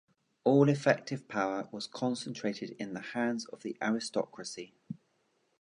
All effective power was concentrated in the hands of the aristocracy.